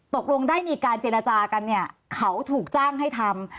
ตกลงได้มีการเจรจากันเนี่ยเขาถูกจ้างให้ทำ